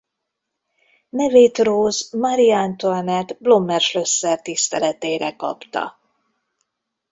Nevét Rose Marie Antoinette Blommers-Schlösser tiszteletére kapta.